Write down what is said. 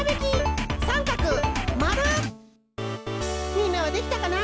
みんなはできたかな？